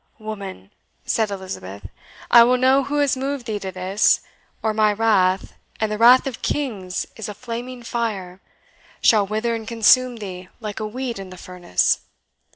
"Woman!" said Elizabeth, "I will know who has moved thee to this; or my wrath and the wrath of kings is a flaming fire shall wither and consume thee like a weed in the furnace!"